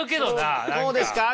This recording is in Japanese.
こうですか？